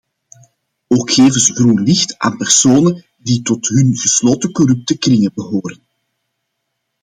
Ook geven ze groen licht aan personen die tot hun gesloten corrupte kringen behoren.